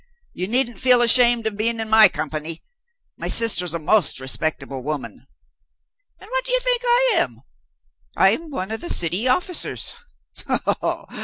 you needn't feel ashamed of being in my company. My sister's a most respectable woman. And what do you think I am? I'm one of the city officers.